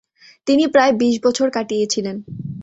তিনি প্রায় বিশ বছর কাটিয়েছিলেন।